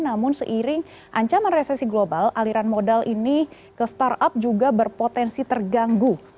namun seiring ancaman resesi global aliran modal ini ke startup juga berpotensi terganggu